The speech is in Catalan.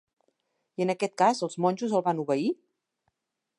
I en aquest cas, els monjos el van obeir?